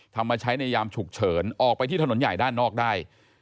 มาใช้ในยามฉุกเฉินออกไปที่ถนนใหญ่ด้านนอกได้